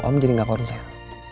om jadi gak konsen